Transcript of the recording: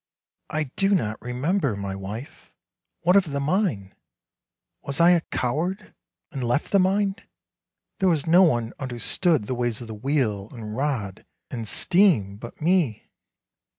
" I do not remember, my wife. What of the mine ? Was I a coward and left the mine ? There was no one imderstood the ways of the wheel, and rod, and steam, but me."